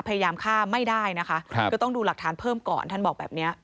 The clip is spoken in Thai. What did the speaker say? พยายามฆ่าไม่ได้นะคะก็ต้องดูหลักฐานเพิ่มก่อนท่านบอกแบบนี้